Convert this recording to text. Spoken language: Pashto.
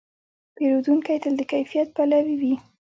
پیرودونکی تل د کیفیت پلوي وي.